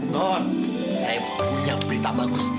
ton saya punya berita bagus